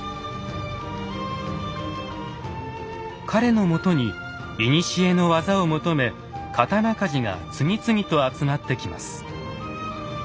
彼のもとに古の技を求め刀鍛冶が次々と集まってきます。